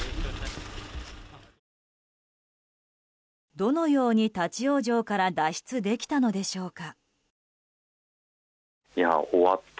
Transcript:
どのように立ち往生から脱出できたのでしょうか。